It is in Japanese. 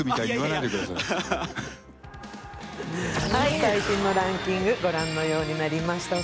最新のランキングご覧のようになりました。